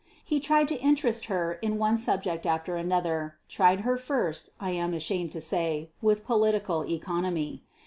He tried to interest her in one subject after another tried her first, I am ashamed to say, with political economy.